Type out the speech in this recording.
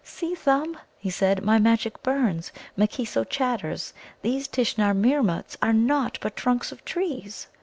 "See, Thumb," he said, "my magic burns. M'keeso chatters. These Tishnar Meermuts are nought but trunks of trees!"